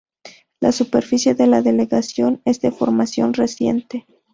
La superficie de la delegación es de formación reciente.